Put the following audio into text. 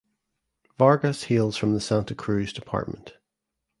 Vargas hails from the Santa Cruz Department.